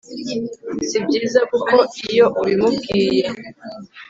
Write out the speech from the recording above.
si byiza kuko iyo ubimubwiye